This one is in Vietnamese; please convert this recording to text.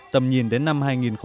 tầm nhìn đến năm hai nghìn ba mươi